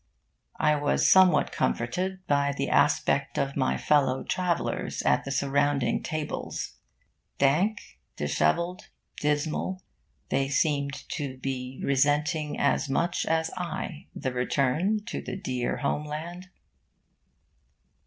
I was somewhat comforted by the aspect of my fellow travellers at the surrounding tables. Dank, dishevelled, dismal, they seemed to be resenting as much as I the return to the dear home land.